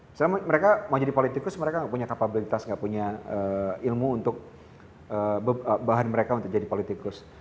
misalnya mereka mau jadi politikus mereka nggak punya kapabilitas nggak punya ilmu untuk bahan mereka untuk jadi politikus